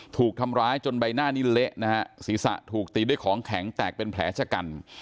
ถูกทำร้ายจนใบหน้านี้เละนะฮะศีรษะถูกตีด้วยของแข็งแตกเป็นแผลชะกัน